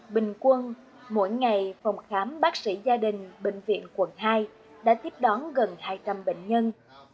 bình quân mỗi ngày phòng khám bác sĩ gia đình bệnh viện quận hai đã tiếp đón gần hai trăm linh bệnh nhân